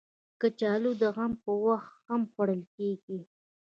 کچالو د غم په وخت هم خوړل کېږي